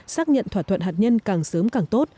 xác nhận thỏa thuận hạt nhân càng sớm càng tốt